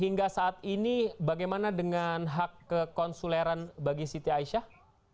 hingga saat ini bagaimana dengan hak kekonsuleran bagi siti aisyah